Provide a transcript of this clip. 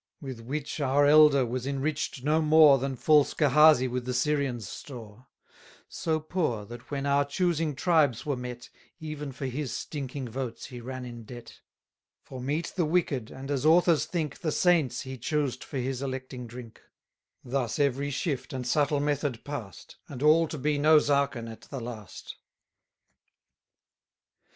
With which our elder was enrich'd no more Than false Gehazi with the Syrian's store; So poor, that when our choosing tribes were met, 550 Even for his stinking votes he ran in debt; For meat the wicked, and, as authors think, The saints he choused for his electing drink; Thus every shift and subtle method past, And all to be no Zaken at the last.